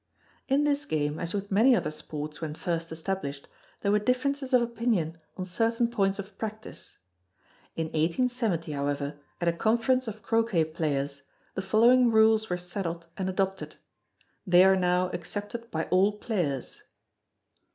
In this game, as with many other sports when first established, there were differences of opinion on certain points of practice. In 1870, however, at a conference of Croquet players, the following rules were settled and adopted. They are now accepted by all players.